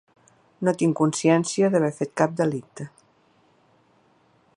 No tinc consciència d'haver fet cap delicte.